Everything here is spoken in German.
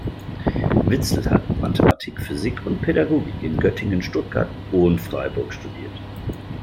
Witzel hat Mathematik, Physik und Pädagogik in Göttingen, Stuttgart und Freiburg studiert.